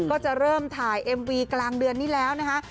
ก็จะเริ่มถ่ายเอ็มวีกลางเดือนนี้แล้วนะคะ